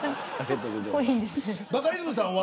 バカリズムさんは。